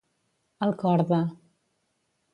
Al cor de.